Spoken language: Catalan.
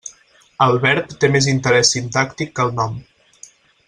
El verb té més interès sintàctic que el nom.